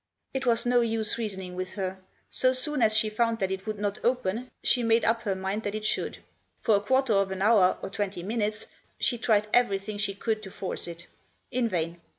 It was no use reasoning with her. So soon as she found that it would not open she made up her mind that it should. For a quarter of an hour or twenty minutes she tried everything she could to force it. In vain.